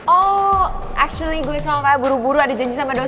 oh actually gua sama kakak buru buru ada janji sama dosen